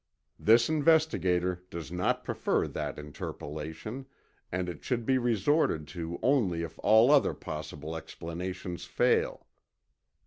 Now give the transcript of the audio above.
"This investigator does not prefer that interpolation, and it should he resorted to only if all other possible explanations fail."